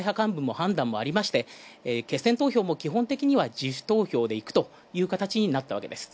二階派幹部の判断もありまして、決選投票も自主投票でいくという形になったわけです。